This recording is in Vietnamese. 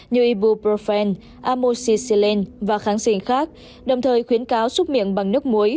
như ibuprofen amoxicillin và kháng sinh khác đồng thời khuyến cáo xúc miệng bằng nước muối